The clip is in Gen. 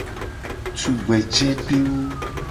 Tugbejedewo.